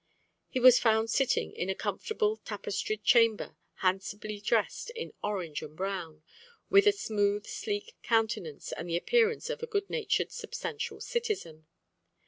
He was found sitting in a comfortable tapestried chamber, handsomely dressed in orange and brown, and with a smooth sleek countenance and the appearance of a good natured substantial citizen.